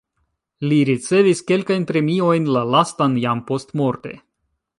Li ricevis kelkajn premiojn, la lastan jam postmorte.